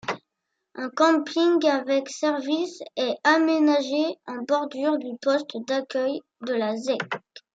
Un camping avec services est aménagé en bordure du poste d'accueil de la zec.